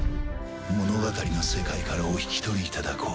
物語の世界からお引き取りいただこう。